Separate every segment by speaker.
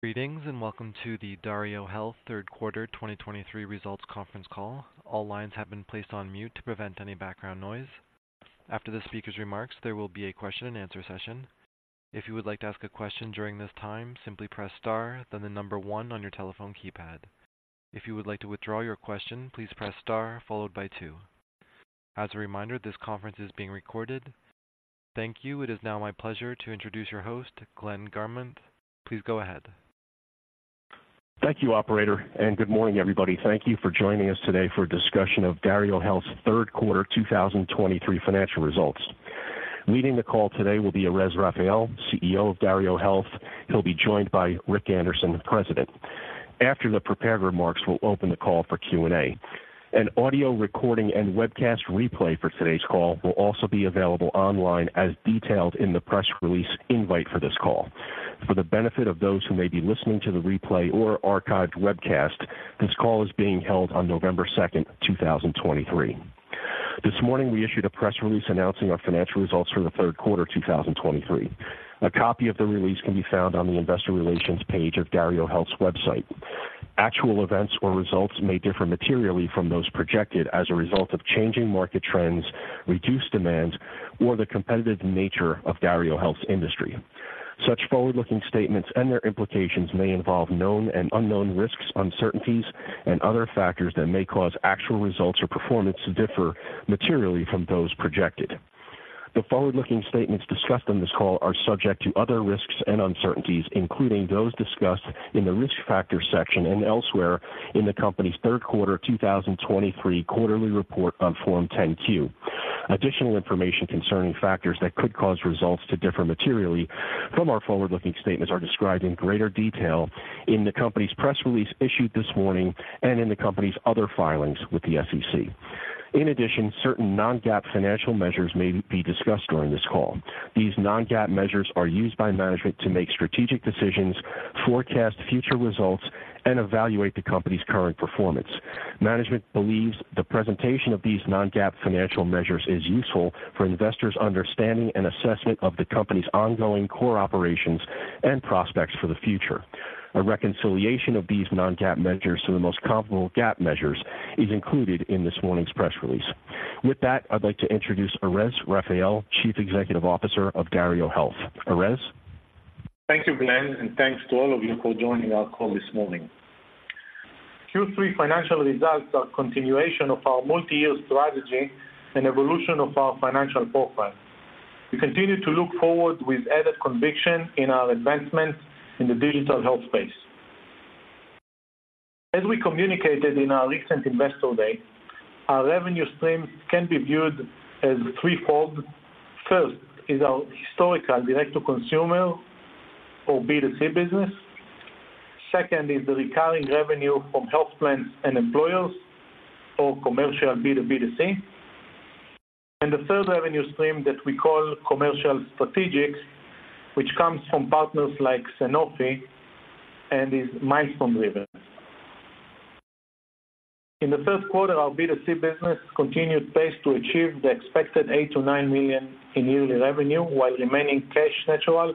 Speaker 1: Greetings, and welcome to the DarioHealth third quarter 2023 results conference call. All lines have been placed on mute to prevent any background noise. After the speaker's remarks, there will be a question-and-answer session. If you would like to ask a question during this time, simply press star, then the number one on your telephone keypad. If you would like to withdraw your question, please press star followed by two. As a reminder, this conference is being recorded. Thank you. It is now my pleasure to introduce your host, Glenn Garmont. Please go ahead.
Speaker 2: Thank you, operator, and good morning, everybody. Thank you for joining us today for a discussion of DarioHealth's third quarter 2023 financial results. Leading the call today will be Erez Raphael, CEO of DarioHealth. He'll be joined by Rick Anderson, the President. After the prepared remarks, we'll open the call for Q&A. An audio recording and webcast replay for today's call will also be available online as detailed in the press release invite for this call. For the benefit of those who may be listening to the replay or archived webcast, this call is being held on November 2, 2023. This morning, we issued a press release announcing our financial results for the third quarter, 2023. A copy of the release can be found on the investor relations page of DarioHealth's website. Actual events or results may differ materially from those projected as a result of changing market trends, reduced demand, or the competitive nature of DarioHealth's industry. Such forward-looking statements and their implications may involve known and unknown risks, uncertainties, and other factors that may cause actual results or performance to differ materially from those projected. The forward-looking statements discussed on this call are subject to other risks and uncertainties, including those discussed in the Risk Factors section and elsewhere in the company's third quarter 2023 quarterly report on Form 10-Q. Additional information concerning factors that could cause results to differ materially from our forward-looking statements are described in greater detail in the company's press release issued this morning and in the company's other filings with the SEC. In addition, certain non-GAAP financial measures may be discussed during this call. These non-GAAP measures are used by management to make strategic decisions, forecast future results, and evaluate the company's current performance. Management believes the presentation of these non-GAAP financial measures is useful for investors' understanding and assessment of the company's ongoing core operations and prospects for the future. A reconciliation of these non-GAAP measures to the most comparable GAAP measures is included in this morning's press release. With that, I'd like to introduce Erez Raphael, Chief Executive Officer of DarioHealth. Erez?
Speaker 3: Thank you, Glenn, and thanks to all of you for joining our call this morning. Q3 financial results are continuation of our multi-year strategy and evolution of our financial profile. We continue to look forward with added conviction in our advancements in the digital health space. As we communicated in our recent Investor Day, our revenue stream can be viewed as threefold. First is our historical direct-to-consumer, or B2C business. Second is the recurring revenue from health plans and employers, or commercial B2B2C. And the third revenue stream that we call commercial strategic, which comes from partners like Sanofi and is milestone driven. In the first quarter, our B2C business continued pace to achieve the expected $8 million-$9 million in yearly revenue, while remaining cash natural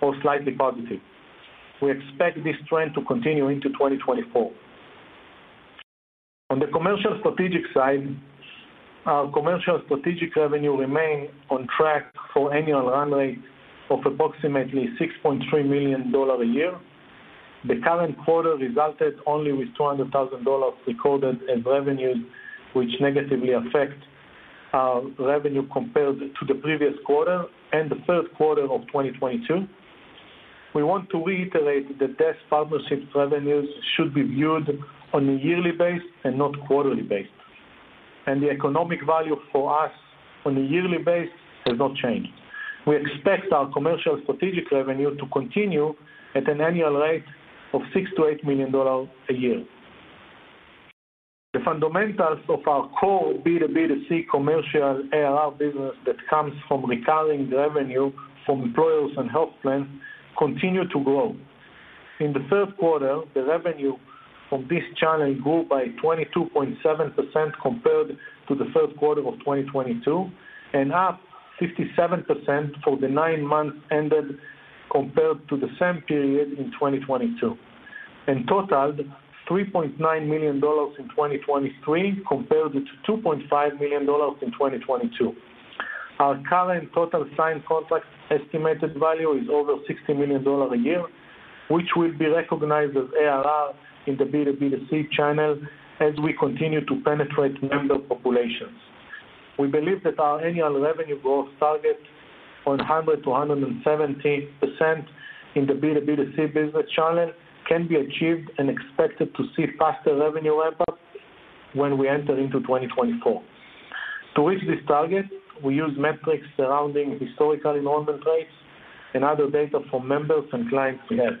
Speaker 3: or slightly positive. We expect this trend to continue into 2024. On the commercial strategic side, our commercial strategic revenue remained on track for annual run rate of approximately $6.3 million a year. The current quarter resulted only with $200,000 recorded as revenues, which negatively affect our revenue compared to the previous quarter and the first quarter of 2022. We want to reiterate that these partnership revenues should be viewed on a yearly basis and not quarterly basis, and the economic value for us on a yearly basis has not changed. We expect our commercial strategic revenue to continue at an annual rate of $6 million-$8 million a year. The fundamentals of our core B2B2C commercial ARR business that comes from recurring revenue from employers and health plans continue to grow. In the first quarter, the revenue from this channel grew by 22.7% compared to the first quarter of 2022, and up 57% for the nine months ended compared to the same period in 2022, and totaled $3.9 million in 2023, compared to $2.5 million in 2022. Our current total signed contracts estimated value is over $60 million a year, which will be recognized as ARR in the B2B2C channel as we continue to penetrate member populations. We believe that our annual revenue growth target on 100%-170% in the B2B2C business channel can be achieved and expected to see faster revenue ramp-up when we enter into 2024. To reach this target, we use metrics surrounding historical enrollment rates and other data from members and clients we have.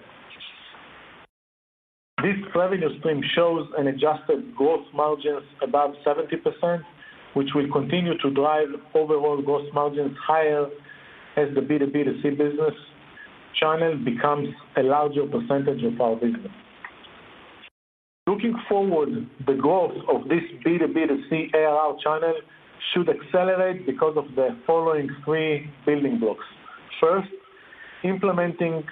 Speaker 3: This revenue stream shows an adjusted gross margins above 70%, which will continue to drive overall gross margins higher as the B2B2C business channel becomes a larger percentage of our business. Looking forward, the growth of this B2B2C ARR channel should accelerate because of the following three building blocks. First, implementing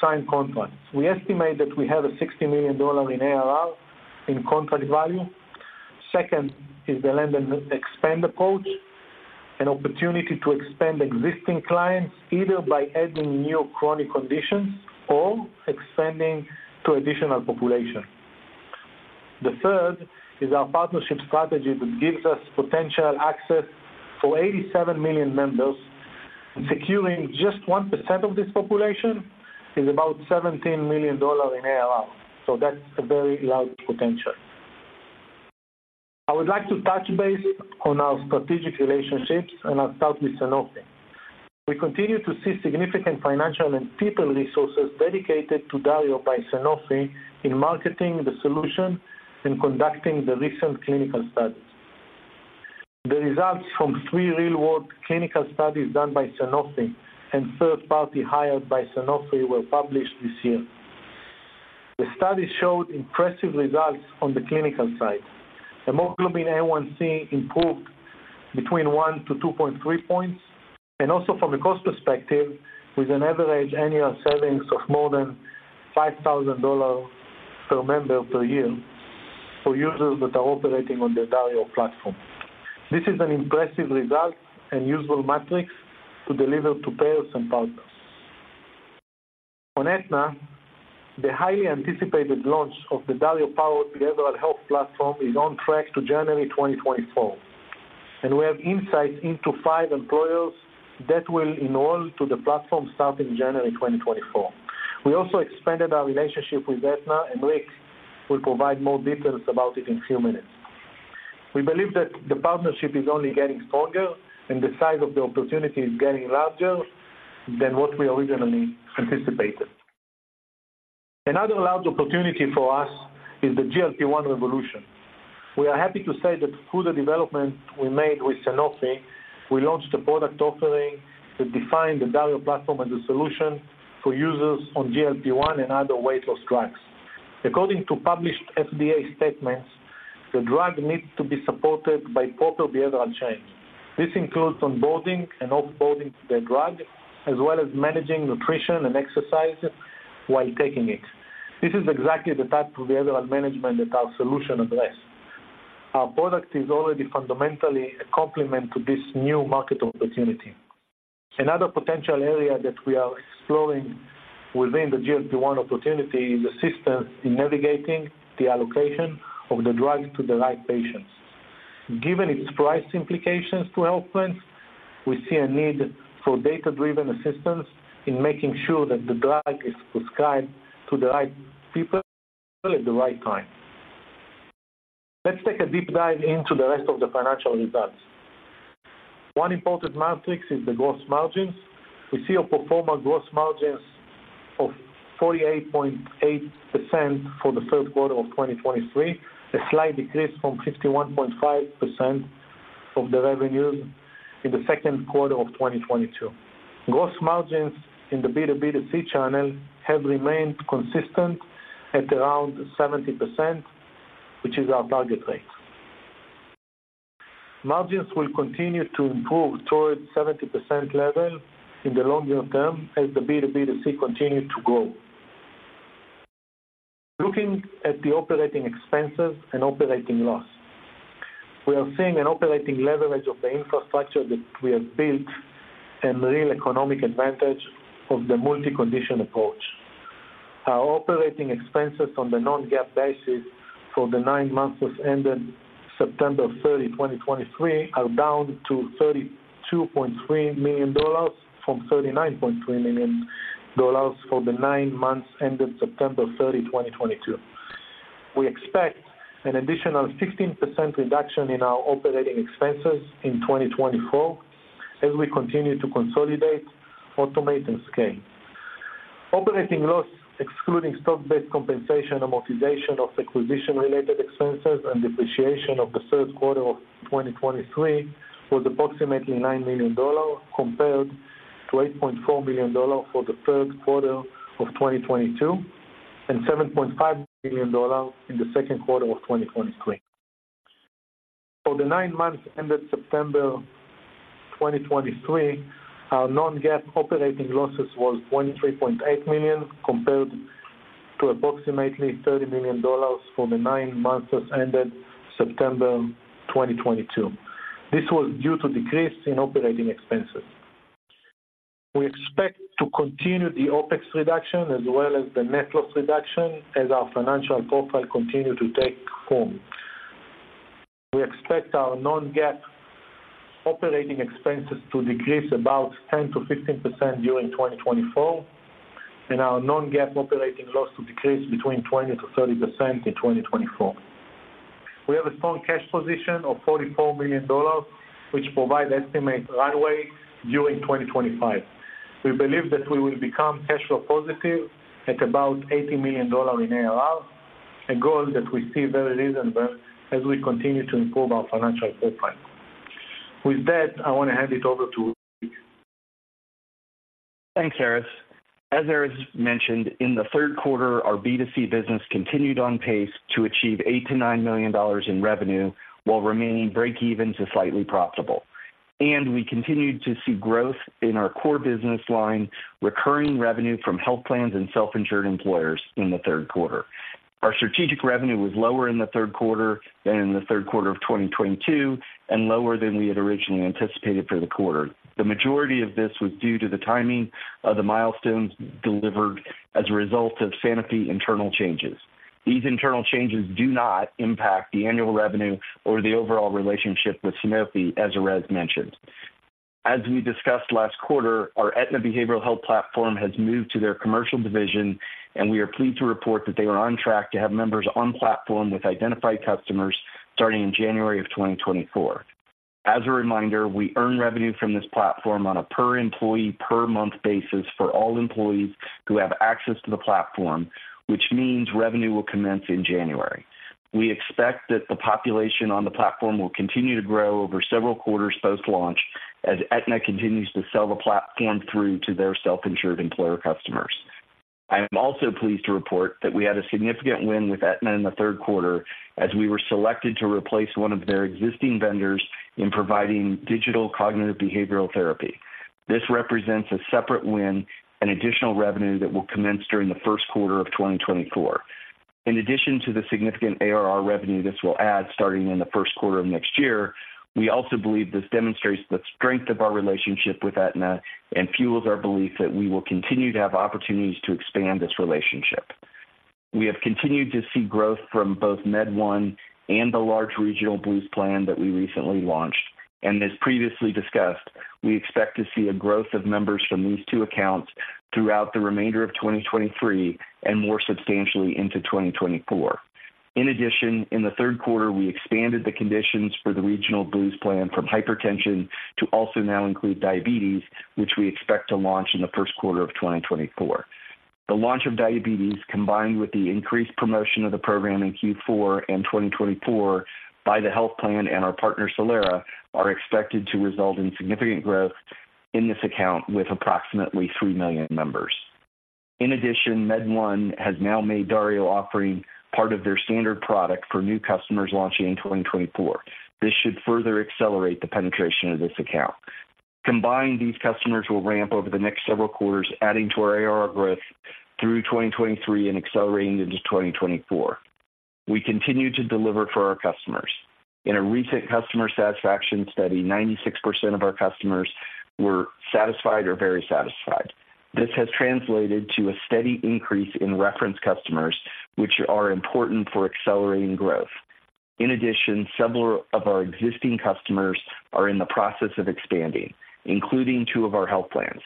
Speaker 3: signed contracts. We estimate that we have a $60 million in ARR in contract value. Second, is the land and expand approach, an opportunity to expand existing clients, either by adding new chronic conditions or expanding to additional population. The third is our partnership strategy, that gives us potential access to 87 million members. Securing just 1% of this population is about $17 million in ARR, so that's a very large potential. I would like to touch base on our strategic relationships, and I'll start with Sanofi. We continue to see significant financial and people resources dedicated to Dario by Sanofi in marketing the solution and conducting the recent clinical studies. The results from three real-world clinical studies done by Sanofi and third party hired by Sanofi were published this year. The study showed impressive results on the clinical side. Hemoglobin A1C improved between 1-2.3 points, and also from a cost perspective, with an average annual savings of more than $5,000 per member per year for users that are operating on the Dario platform. This is an impressive result and usable metrics to deliver to payers and partners. On Aetna, the highly anticipated launch of the Dario powered behavioral health platform is on track to January 2024, and we have insights into five employers that will enroll to the platform starting January 2024. We also expanded our relationship with Aetna, and Rick will provide more details about it in a few minutes. We believe that the partnership is only getting stronger, and the size of the opportunity is getting larger than what we originally anticipated. Another large opportunity for us is the GLP-1 revolution. We are happy to say that through the development we made with Sanofi, we launched a product offering that defined the Dario platform as a solution for users on GLP-1 and other weight loss drugs. According to published FDA statements, the drug needs to be supported by proper behavioral change. This includes onboarding and offboarding the drug, as well as managing nutrition and exercise while taking it. This is exactly the type of behavioral management that our solution address. Our product is already fundamentally a complement to this new market opportunity. Another potential area that we are exploring within the GLP-1 opportunity is assistance in navigating the allocation of the drug to the right patients. Given its price implications to health plans, we see a need for data-driven assistance in making sure that the drug is prescribed to the right people at the right time. Let's take a deep dive into the rest of the financial results. One important metric is the gross margins. We see a pro forma gross margins of 48.8% for the third quarter of 2023, a slight decrease from 51.5% of the revenues in the second quarter of 2022. Gross margins in the B2B2C channel have remained consistent at around 70%, which is our target rate. Margins will continue to improve towards 70% level in the longer term as the B2B2C continue to grow. Looking at the operating expenses and operating loss, we are seeing an operating leverage of the infrastructure that we have built and real economic advantage of the multi-condition approach. Our operating expenses on the Non-GAAP basis for the nine months that ended September 30, 2023, are down to $32.3 million from $39.3 million for the nine months ended September 30, 2022. We expect an additional 15% reduction in our operating expenses in 2024 as we continue to consolidate, automate, and scale. Operating loss, excluding stock-based compensation, amortization of acquisition-related expenses, and depreciation of the third quarter of 2023, was approximately $9 million, compared to $8.4 million for the third quarter of 2022, and $7.5 million in the second quarter of 2023. For the nine months ended September 2023, our non-GAAP operating losses was $23.8 million, compared to approximately $30 million for the nine months that ended September 2022. This was due to decrease in operating expenses. We expect to continue the OpEx reduction as well as the net loss reduction, as our financial profile continue to take form. We expect our non-GAAP operating expenses to decrease about 10%-15% during 2024, and our non-GAAP operating loss to decrease between 20%-30% in 2024. We have a strong cash position of $44 million, which provides estimated runway during 2025. We believe that we will become cash flow positive at about $80 million in ARR, a goal that we see very reasonable as we continue to improve our financial profile. With that, I want to hand it over to Rick.
Speaker 4: Thanks, Erez. As Erez mentioned, in the third quarter, our B2C business continued on pace to achieve $8 million-$9 million in revenue, while remaining break even to slightly profitable. We continued to see growth in our core business line, recurring revenue from health plans and self-insured employers in the third quarter. Our strategic revenue was lower in the third quarter than in the third quarter of 2022, and lower than we had originally anticipated for the quarter. The majority of this was due to the timing of the milestones delivered as a result of Sanofi internal changes. These internal changes do not impact the annual revenue or the overall relationship with Sanofi, as Erez mentioned. As we discussed last quarter, our Aetna behavioral health platform has moved to their commercial division, and we are pleased to report that they are on track to have members on platform with identified customers starting in January of 2024. As a reminder, we earn revenue from this platform on a per employee per month basis for all employees who have access to the platform, which means revenue will commence in January. We expect that the population on the platform will continue to grow over several quarters post-launch as Aetna continues to sell the platform through to their self-insured employer customers. I am also pleased to report that we had a significant win with Aetna in the third quarter as we were selected to replace one of their existing vendors in providing digital cognitive behavioral therapy. This represents a separate win and additional revenue that will commence during the first quarter of 2024. In addition to the significant ARR revenue this will add starting in the first quarter of next year, we also believe this demonstrates the strength of our relationship with Aetna and fuels our belief that we will continue to have opportunities to expand this relationship. We have continued to see growth from both MedOne and the large regional Blues plan that we recently launched. As previously discussed, we expect to see a growth of members from these two accounts throughout the remainder of 2023 and more substantially into 2024. In addition, in the third quarter, we expanded the conditions for the regional Blues plan from hypertension to also now include diabetes, which we expect to launch in the first quarter of 2024. The launch of diabetes, combined with the increased promotion of the program in Q4 and 2024 by the health plan and our partner, Solera, are expected to result in significant growth in this account with approximately 3 million members. In addition, MedOne has now made Dario offering part of their standard product for new customers launching in 2024. This should further accelerate the penetration of this account. Combined, these customers will ramp over the next several quarters, adding to our ARR growth through 2023 and accelerating into 2024. We continue to deliver for our customers. In a recent customer satisfaction study, 96% of our customers were satisfied or very satisfied. This has translated to a steady increase in reference customers, which are important for accelerating growth. In addition, several of our existing customers are in the process of expanding, including two of our health plans,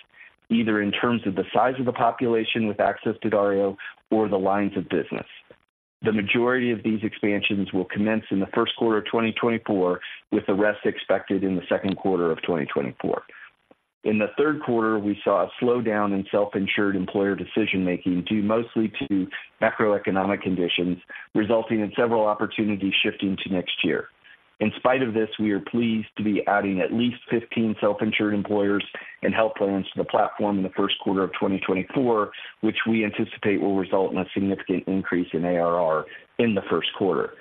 Speaker 4: either in terms of the size of the population with access to Dario or the lines of business. The majority of these expansions will commence in the first quarter of 2024, with the rest expected in the second quarter of 2024. In the third quarter, we saw a slowdown in self-insured employer decision making, due mostly to macroeconomic conditions, resulting in several opportunities shifting to next year. In spite of this, we are pleased to be adding at least 15 self-insured employers and health plans to the platform in the first quarter of 2024, which we anticipate will result in a significant increase in ARR in the first quarter.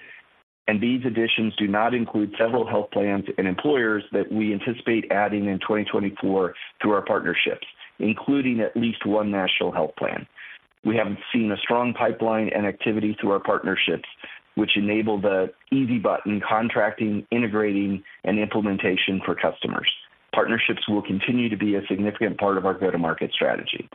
Speaker 4: These additions do not include several health plans and employers that we anticipate adding in 2024 through our partnerships, including at least one national health plan. We have seen a strong pipeline and activity through our partnerships, which enable the easy button contracting, integrating, and implementation for customers. Partnerships will continue to be a significant part of our go-to-market strategy.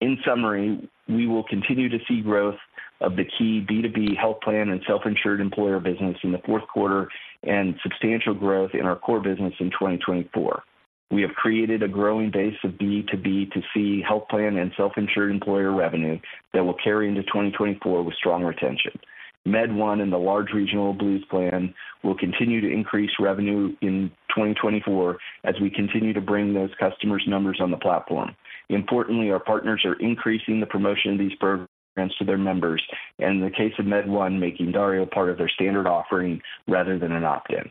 Speaker 4: In summary, we will continue to see growth of the key B2B health plan and self-insured employer business in the fourth quarter, and substantial growth in our core business in 2024. We have created a growing base of B2B2C health plan and self-insured employer revenue that will carry into 2024 with strong retention. MedOne and the large regional Blues plan will continue to increase revenue in 2024 as we continue to bring those customers' numbers on the platform. Importantly, our partners are increasing the promotion of these programs to their members, and in the case of MedOne, making Dario part of their standard offering rather than an opt-in.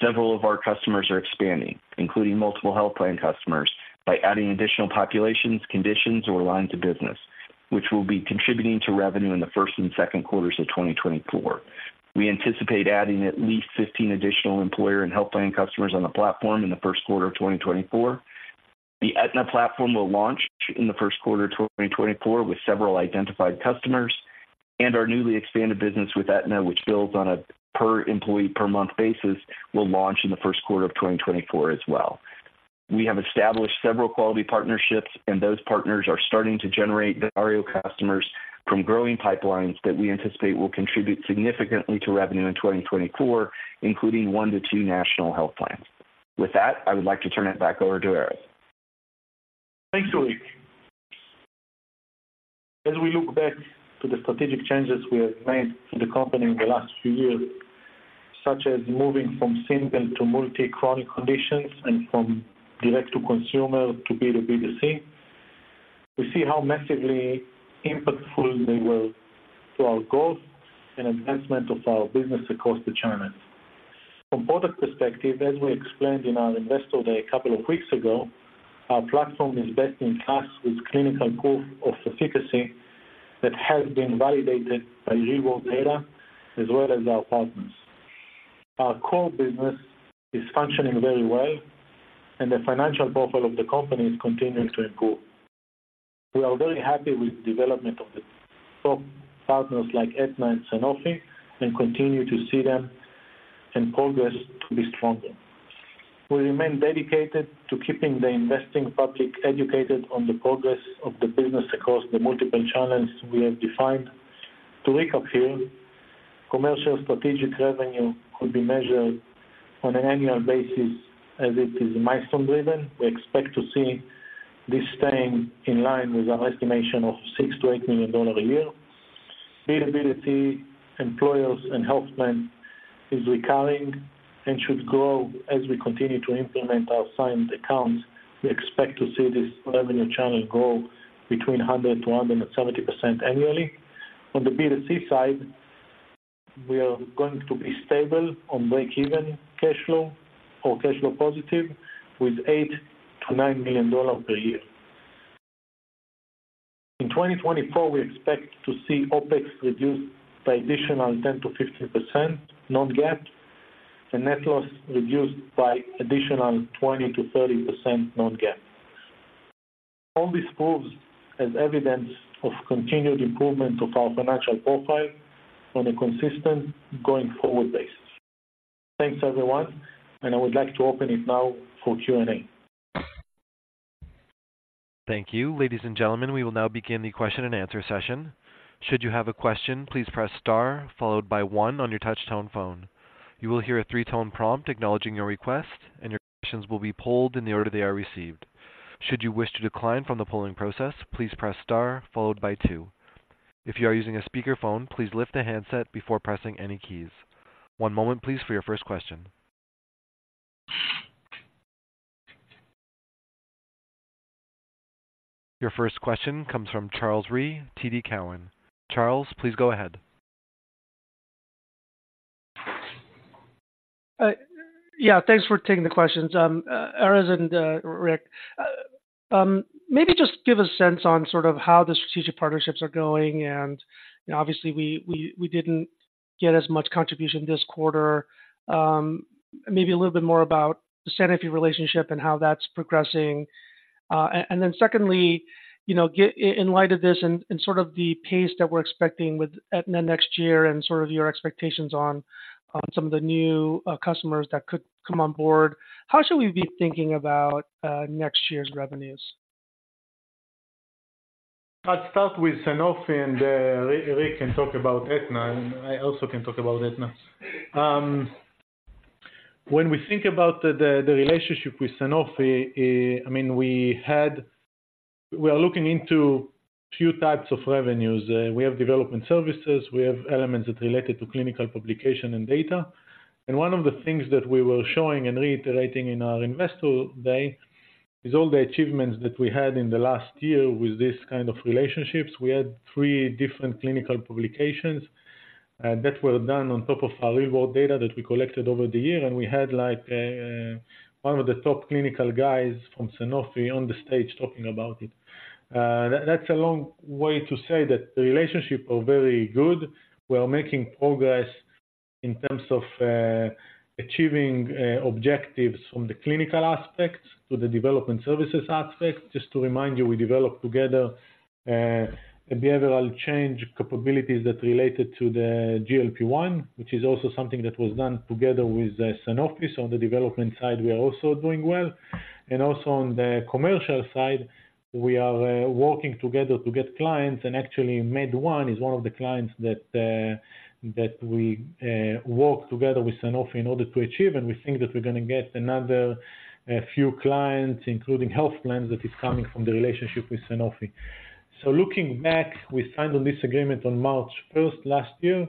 Speaker 4: Several of our customers are expanding, including multiple health plan customers, by adding additional populations, conditions, or lines of business, which will be contributing to revenue in the first and second quarters of 2024. We anticipate adding at least 15 additional employer and health plan customers on the platform in the first quarter of 2024. The Aetna platform will launch in the first quarter of 2024 with several identified customers, and our newly expanded business with Aetna, which bills on a per employee per month basis, will launch in the first quarter of 2024 as well. We have established several quality partnerships, and those partners are starting to generate Dario customers from growing pipelines that we anticipate will contribute significantly to revenue in 2024, including one to two national health plans. With that, I would like to turn it back over to Erez.
Speaker 3: Thanks, Rick. As we look back to the strategic changes we have made to the company in the last few years, such as moving from single to multi chronic conditions and from direct to consumer to B2B2C, we see how massively impactful they were to our goals and advancement of our business across the channels. From product perspective, as we explained in our investor day a couple of weeks ago, our platform is best in class with clinical proof of efficacy that has been validated by real-world data as well as our partners. Our core business is functioning very well, and the financial profile of the company is continuing to improve. We are very happy with the development of the top partners like Aetna and Sanofi, and continue to see them in progress to be stronger. We remain dedicated to keeping the investing public educated on the progress of the business across the multiple channels we have defined. To recap here, commercial strategic revenue could be measured on an annual basis as it is milestone-driven. We expect to see this staying in line with our estimation of $6 million-$8 million a year. B2B2C, employers, and health plan is recurring and should grow as we continue to implement our signed accounts. We expect to see this revenue channel grow between 100%-170% annually. On the B2C side, we are going to be stable on breakeven cash flow or cash flow positive with $8 million-$9 million per year. In 2024, we expect to see OpEx reduced by additional 10%-15%, non-GAAP, and net loss reduced by additional 20%-30%, non-GAAP. All this proves as evidence of continued improvement of our financial profile on a consistent going-forward basis. Thanks, everyone, and I would like to open it now for Q&A.
Speaker 1: Thank you. Ladies and gentlemen, we will now begin the question and answer session. Should you have a question, please press star followed by one on your touchtone phone. You will hear a three-tone prompt acknowledging your request, and your questions will be polled in the order they are received. Should you wish to decline from the polling process, please press star followed by two. If you are using a speakerphone, please lift the handset before pressing any keys. One moment, please, for your first question. Your first question comes from Charles Rhyee, TD Cowen. Charles, please go ahead.
Speaker 5: Yeah, thanks for taking the questions. Erez and Rick, maybe just give a sense on sort of how the strategic partnerships are going, and obviously, we didn't get as much contribution this quarter. Maybe a little bit more about the Sanofi relationship and how that's progressing. And then secondly, you know, get in light of this and sort of the pace that we're expecting with Aetna next year and sort of your expectations on some of the new customers that could come on board, how should we be thinking about next year's revenues?
Speaker 3: I'll start with Sanofi, and Rick can talk about Aetna, and I also can talk about Aetna. When we think about the relationship with Sanofi, I mean, we are looking into few types of revenues. We have development services, we have elements that related to clinical publication and data. And one of the things that we were showing and reiterating in our Investor Day is all the achievements that we had in the last year with this kind of relationships. We had three different clinical publications that were done on top of our real-world data that we collected over the year, and we had one of the top clinical guys from Sanofi on the stage talking about it. That's a long way to say that the relationship are very good. We are making progress in terms of achieving objectives from the clinical aspects to the development services aspect. Just to remind you, we developed together a behavioral change capabilities that related to the GLP-1, which is also something that was done together with Sanofi. So on the development side, we are also doing well. Also on the commercial side, we are working together to get clients, and actually, MedOne is one of the clients that we work together with Sanofi in order to achieve. And we think that we're gonna get another a few clients, including health plan, that is coming from the relationship with Sanofi. So looking back, we signed on this agreement on March first last year.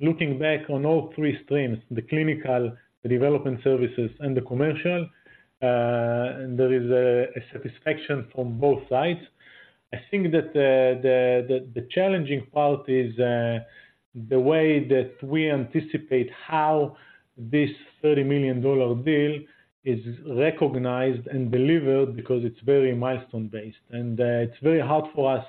Speaker 3: Looking back on all three streams, the clinical, the development services and the commercial, there is a satisfaction from both sides. I think that the challenging part is the way that we anticipate how this $30 million deal is recognized and delivered, because it's very milestone-based, and it's very hard for us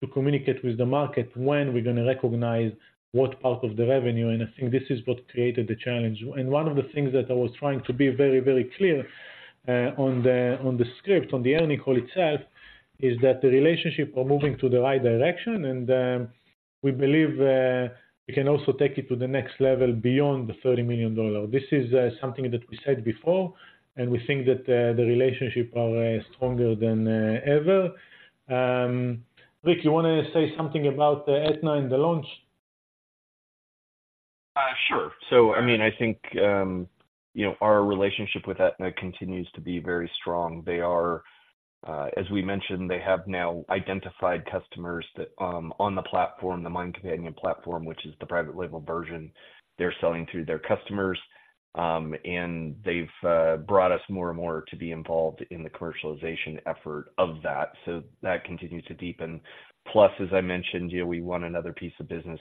Speaker 3: to communicate with the market when we're going to recognize what part of the revenue, and I think this is what created the challenge. One of the things that I was trying to be very, very clear on the script, on the earnings call itself, is that the relationship are moving to the right direction, and we believe we can also take it to the next level beyond the $30 million. This is something that we said before, and we think that the relationship are stronger than ever. Rick, you want to say something about the Aetna and the launch?
Speaker 4: Sure. So, I mean, I think, you know, our relationship with Aetna continues to be very strong. They are, as we mentioned, they have now identified customers that, on the platform, the Mind Companion platform, which is the private label version, they're selling to their customers. And they've brought us more and more to be involved in the commercialization effort of that. So that continues to deepen. Plus, as I mentioned, you know, we won another piece of business,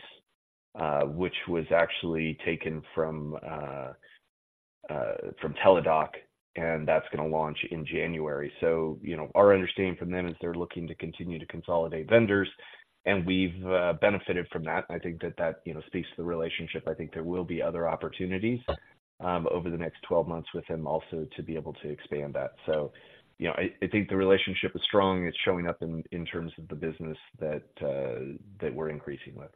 Speaker 4: which was actually taken from Teladoc, and that's going to launch in January. So, you know, our understanding from them is they're looking to continue to consolidate vendors, and we've benefited from that. I think that that, you know, speaks to the relationship. I think there will be other opportunities over the next 12 months with them also to be able to expand that. So, you know, I think the relationship is strong. It's showing up in terms of the business that we're increasing with.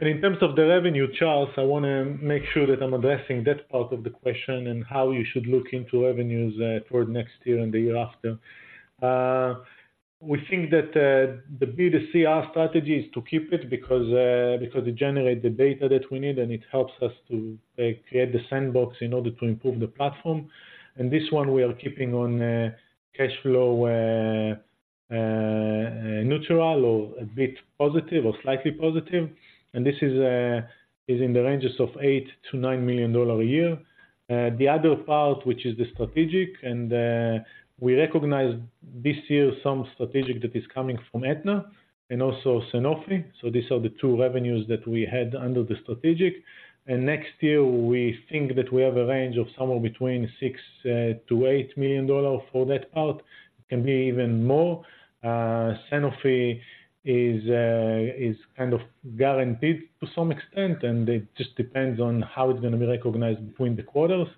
Speaker 3: In terms of the revenue, Charles, I want to make sure that I'm addressing that part of the question and how you should look into revenues toward next year and the year after. We think that the B2C, our strategy is to keep it because because it generates the data that we need, and it helps us to, like, create the sandbox in order to improve the platform. And this one, we are keeping on cash flow neutral or a bit positive or slightly positive. And this is in the ranges of $8 million-$9 million a year. The other part, which is the strategic, and we recognize this year some strategic that is coming from Aetna and also Sanofi. So these are the two revenues that we had under the strategic. And next year, we think that we have a range of somewhere between $6 million-$8 million for that part. It can be even more. Sanofi is kind of guaranteed to some extent, and it just depends on how it's going to be recognized between the quarters.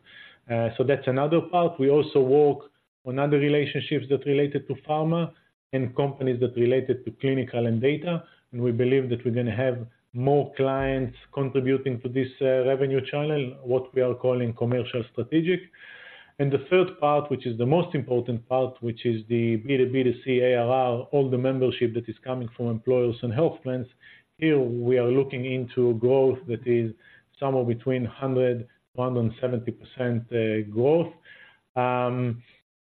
Speaker 3: So that's another part. We also work on other relationships that related to pharma and companies that related to clinical and data, and we believe that we're going to have more clients contributing to this revenue channel, what we are calling commercial strategic. And the third part, which is the most important part, which is the B2B2C ARR, all the membership that is coming from employers and health plans. Here, we are looking into a growth that is somewhere between 100 and 170% growth.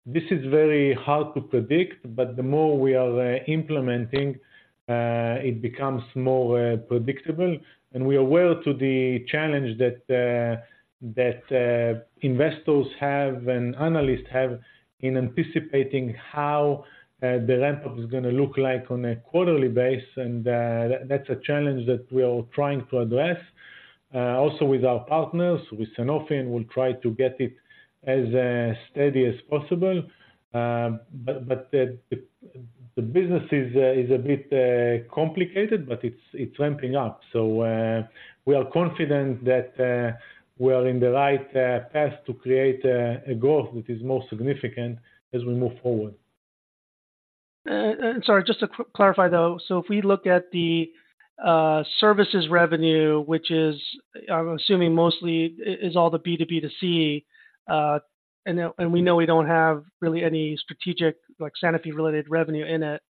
Speaker 3: This is very hard to predict, but the more we are implementing, it becomes more predictable. And we are aware to the challenge that investors have and analysts have in anticipating how the ramp-up is going to look like on a quarterly basis, and that's a challenge that we are trying to address also with our partners, with Sanofi, and we'll try to get it as steady as possible. But the business is a bit complicated, but it's ramping up. So we are confident that we are in the right path to create a growth that is most significant as we move forward.
Speaker 5: Sorry, just to clarify, though. So if we look at the services revenue, which is, I'm assuming mostly is all the B2B2C, and we know we don't have really any strategic, like, Sanofi-related revenue in it.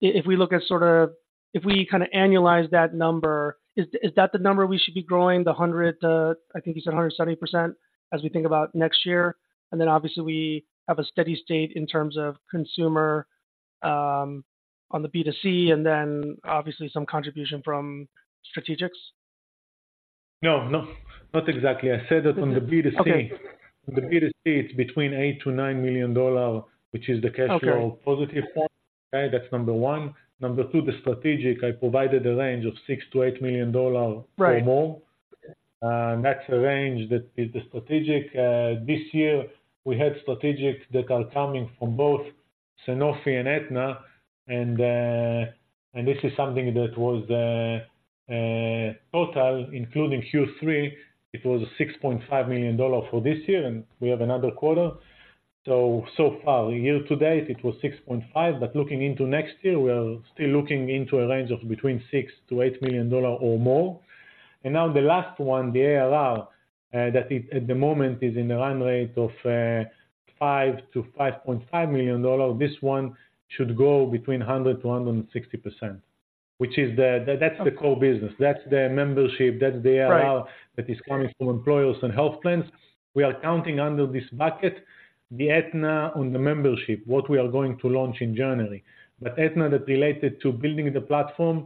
Speaker 5: If we look at sort of if we kind of annualize that number, is that the number we should be growing, the 100, I think you said 170%, as we think about next year? And then obviously, we have a steady state in terms of consumer on the B2C, and then obviously some contribution from strategics.
Speaker 3: No, no, not exactly. I said that on the B2C-
Speaker 5: Okay.
Speaker 3: The B2C, it's between $8 million-$9 million, which is the cash flow-
Speaker 5: Okay...
Speaker 3: positive form. Okay, that's number one. Number two, the strategic, I provided a range of $6 million-$8 million-
Speaker 5: Right
Speaker 3: or more. That's the range, that is the strategic. This year, we had strategic that are coming from both Sanofi and Aetna, and, and this is something that was, total, including Q3, it was $6.5 million for this year, and we have another quarter. So, so far, year to date, it was $6.5 million, but looking into next year, we are still looking into a range of between $6 million-$8 million or more. And now the last one, the ARR, that is at the moment, is in the run rate of, $5 million-$5.5 million. This one should grow between 100%-160%, which is the-
Speaker 5: Okay...
Speaker 3: That's the core business, that's the membership, that's the ARR-
Speaker 5: Right
Speaker 3: -that is coming from employers and health plans. We are counting under this bucket, the Aetna on the membership, what we are going to launch in January. But Aetna that related to building the platform,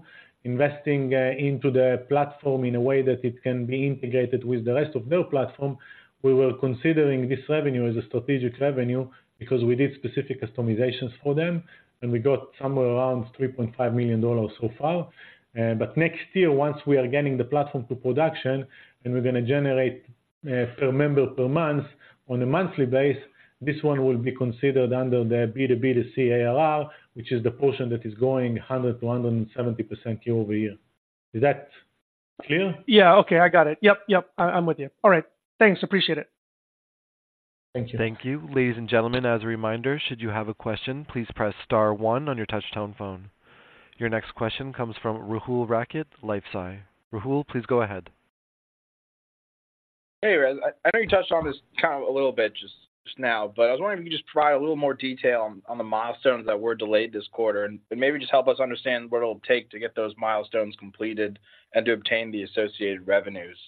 Speaker 3: investing, into the platform in a way that it can be integrated with the rest of their platform, we were considering this revenue as a strategic revenue because we did specific customizations for them, and we got somewhere around $3.5 million so far. But next year, once we are getting the platform to production, then we're going to generate, per member per month on a monthly base, this one will be considered under the B2B2C ARR, which is the portion that is going 100%-170% year-over-year. Is that clear?
Speaker 5: Yeah, okay, I got it. Yep, yep, I'm with you. All right. Thanks, appreciate it.
Speaker 3: Thank you.
Speaker 1: Thank you. Ladies and gentlemen, as a reminder, should you have a question, please press star one on your touch tone phone. Your next question comes from Rahul Rakhit, LifeSci. Rahul, please go ahead.
Speaker 6: Hey, I know you touched on this kind of a little bit just, just now, but I was wondering if you could just provide a little more detail on, on the milestones that were delayed this quarter, and maybe just help us understand what it'll take to get those milestones completed and to obtain the associated revenues.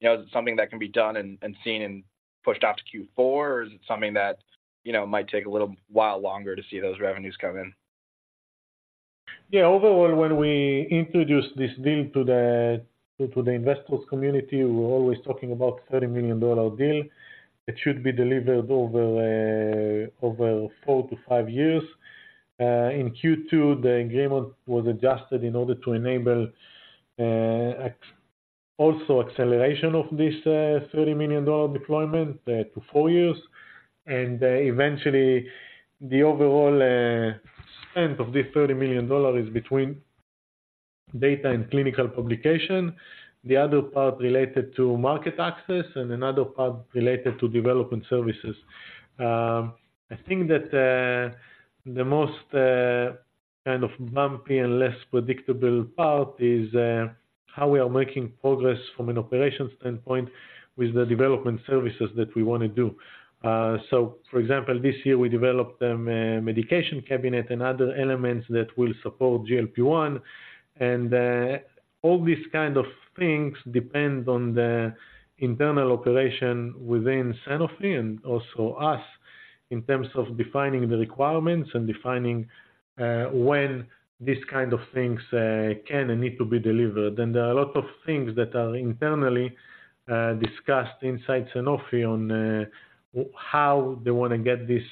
Speaker 6: You know, is it something that can be done and, and seen and pushed out to Q4, or is it something that, you know, might take a little while longer to see those revenues come in?
Speaker 3: Yeah, overall, when we introduced this deal to the investor community, we were always talking about $30 million deal. It should be delivered over four to five years. In Q2, the agreement was adjusted in order to enable also acceleration of this $30 million deployment to four years. Eventually, the overall spend of this $30 million is between data and clinical publication. The other part related to market access and another part related to development services. I think that the most kind of bumpy and less predictable part is how we are making progress from an operations standpoint with the development services that we want to do. So for example, this year we developed a medication cabinet and other elements that will support GLP-1. All these kind of things depend on the internal operation within Sanofi and also us, in terms of defining the requirements and defining when these kind of things can and need to be delivered. There are a lot of things that are internally discussed inside Sanofi on how they want to get this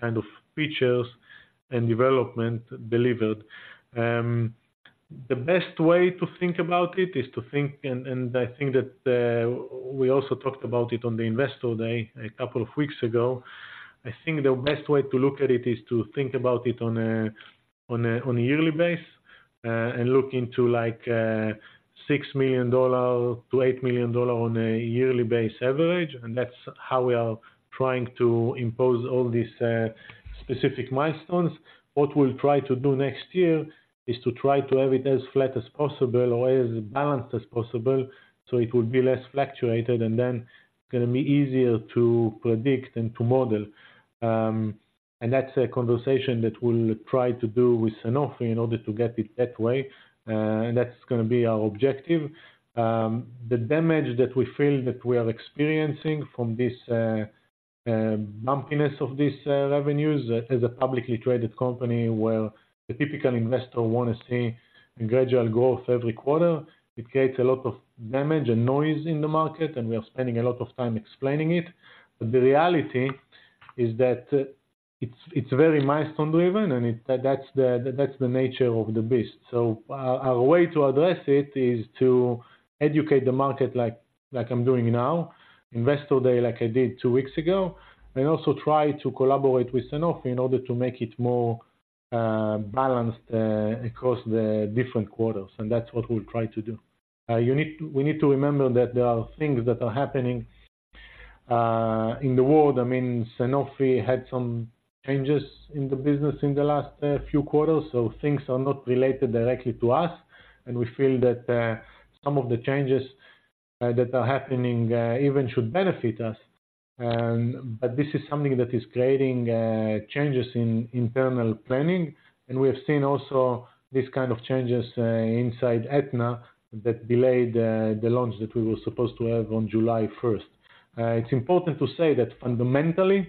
Speaker 3: kind of features and development delivered. The best way to think about it is, and I think that we also talked about it on the Investor Day a couple of weeks ago. I think the best way to look at it is to think about it on a yearly basis, and look into, like, $6 million-$8 million on a yearly basis average, and that's how we are trying to impose all these, specific milestones. What we'll try to do next year is to try to have it as flat as possible or as balanced as possible, so it will be less fluctuated, and then it's going to be easier to predict and to model. And that's a conversation that we'll try to do with Sanofi in order to get it that way. And that's going to be our objective. The damage that we feel that we are experiencing from this bumpiness of this revenues, as a publicly traded company, where the typical investor want to see a gradual growth every quarter, it creates a lot of damage and noise in the market, and we are spending a lot of time explaining it. But the reality is that it's very milestone-driven, and that's the nature of the beast. So our way to address it is to educate the market like I'm doing now, Investor Day, like I did two weeks ago, and also try to collaborate with Sanofi in order to make it more balanced across the different quarters, and that's what we'll try to do. We need to remember that there are things that are happening in the world. I mean, Sanofi had some changes in the business in the last few quarters, so things are not related directly to us, and we feel that some of the changes that are happening even should benefit us. But this is something that is creating changes in internal planning, and we have seen also these kind of changes inside Aetna that delayed the launch that we were supposed to have on July 1st. It's important to say that fundamentally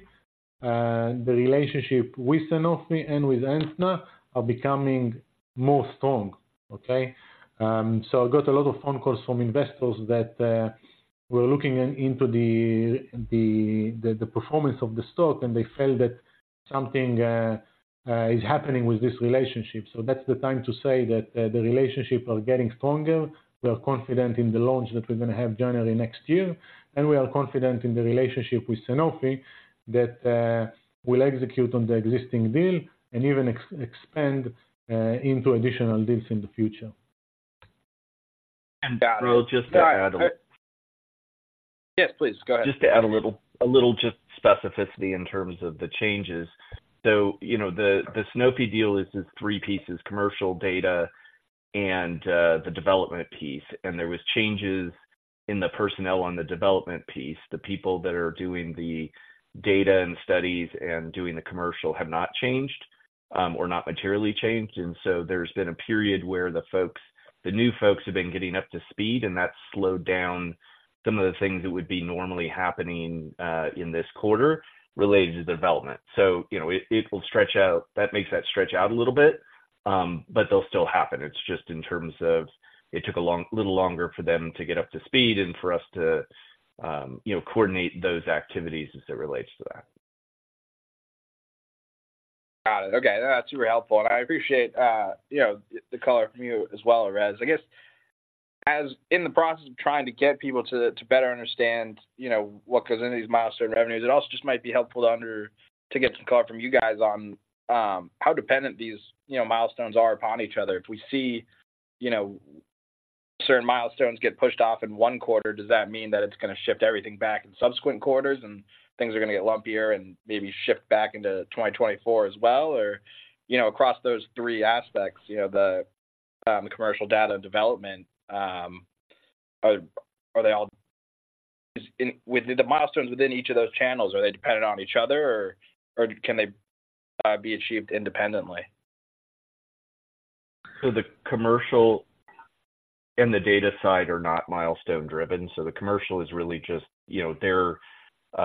Speaker 3: the relationship with Sanofi and with Aetna are becoming more strong. Okay? So I got a lot of phone calls from investors that were looking into the performance of the stock, and they felt that something is happening with this relationship. So that's the time to say that the relationship are getting stronger. We are confident in the launch that we're going to have January next year, and we are confident in the relationship with Sanofi that will execute on the existing deal and even expand into additional deals in the future.
Speaker 4: Just to add on-
Speaker 6: Yes, please. Go ahead.
Speaker 4: Just to add a little specificity in terms of the changes. So, you know, the Sanofi deal is just three pieces: commercial, data, and the development piece. And there was changes in the personnel on the development piece. The people that are doing the data and studies and doing the commercial have not changed, or not materially changed. And so there's been a period where the folks, the new folks, have been getting up to speed, and that's slowed down some of the things that would be normally happening in this quarter related to development. So you know, it will stretch out, that makes that stretch out a little bit, but they'll still happen. It's just in terms of, it took a little longer for them to get up to speed and for us to, you know, coordinate those activities as it relates to that.
Speaker 6: Got it. Okay, that's super helpful, and I appreciate, you know, the color from you as well, Erez. I guess, as in the process of trying to get people to better understand, you know, what goes into these milestone revenues, it also just might be helpful to get some color from you guys on how dependent these, you know, milestones are upon each other. If we see, you know, certain milestones get pushed off in one quarter, does that mean that it's going to shift everything back in subsequent quarters and things are going to get lumpier and maybe shift back into 2024 as well? Or, you know, across those three aspects, you know, the commercial data development, with the milestones within each of those channels, are they dependent on each other, or can they be achieved independently?
Speaker 4: So the commercial and the data side are not milestone driven. So the commercial is really just, you know, their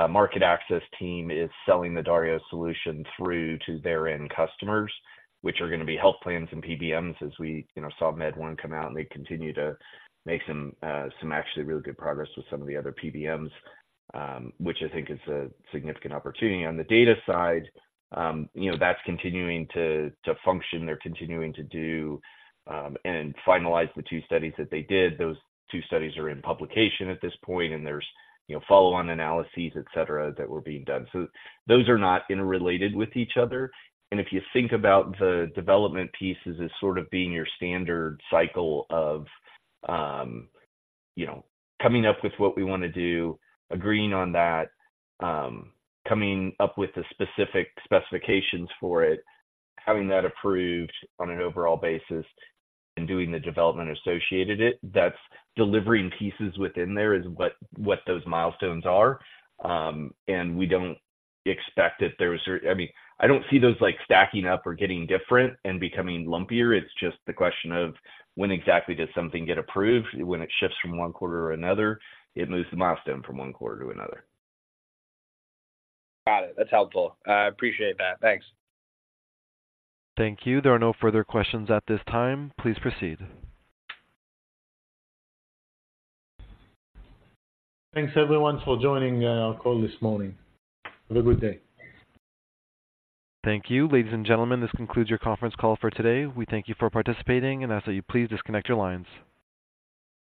Speaker 4: market access team is selling the Dario solution through to their end customers, which are going to be health plans and PBMs, as we, you know, saw MedOne come out, and they continue to make some actually really good progress with some of the other PBMs, which I think is a significant opportunity. On the data side, you know, that's continuing to function. They're continuing to do and finalize the two studies that they did. Those two studies are in publication at this point, and there's, you know, follow-on analyses, et cetera, that were being done. So those are not interrelated with each other. And if you think about the development pieces as sort of being your standard cycle of, you know, coming up with what we want to do, agreeing on that, coming up with the specific specifications for it, having that approved on an overall basis and doing the development associated it, that's delivering pieces within there is what those milestones are. And we don't expect that there was... I mean, I don't see those like stacking up or getting different and becoming lumpier. It's just the question of when exactly does something get approved? When it shifts from one quarter or another, it moves the milestone from one quarter to another.
Speaker 6: Got it. That's helpful. I appreciate that. Thanks.
Speaker 1: Thank you. There are no further questions at this time. Please proceed.
Speaker 3: Thanks, everyone, for joining our call this morning. Have a good day.
Speaker 1: Thank you. Ladies and gentlemen, this concludes your conference call for today. We thank you for participating, and I ask that you please disconnect your lines.